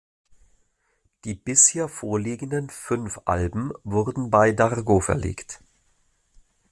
Die bisher vorliegenden fünf Alben wurden bei Dargaud verlegt.